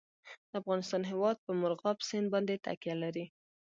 د افغانستان هیواد په مورغاب سیند باندې تکیه لري.